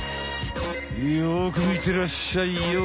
よくみてらっしゃいよ！